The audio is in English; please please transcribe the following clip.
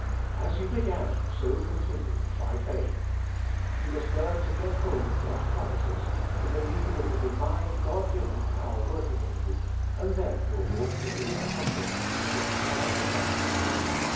As you be g an so continue, by faith. You must learn to g et hold of God's promises, to believe in the divine, God g iven power working in you and then your walk will be a humble one, from hour to hour.